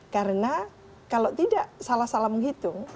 karena kalau tidak salah salah menghitung